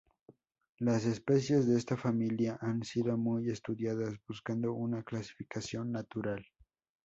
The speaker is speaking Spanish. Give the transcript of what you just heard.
Las especies de esta familia han sido muy estudiadas, buscando una clasificación natural.